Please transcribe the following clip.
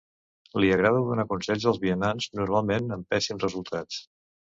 Li agrada donar consells als vianants, normalment amb pèssims resultats.